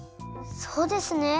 そうですね。